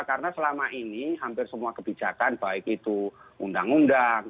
karena selama ini hampir semua kebijakan baik itu undang undang